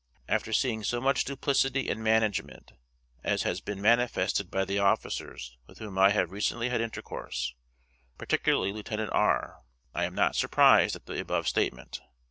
After seeing so much duplicity and management as has been manifested by the officers with whom I have recently had intercourse, particularly Lieutenant R., I am not surprised at the above statement.